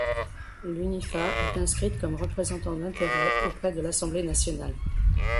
L'Unifa est inscrite comme représentant d'intérêts auprès de l'Assemblée nationale.